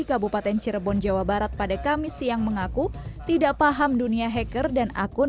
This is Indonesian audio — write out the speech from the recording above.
kabupaten cirebon jawa barat pada kamis siang mengaku tidak paham dunia hacker dan akun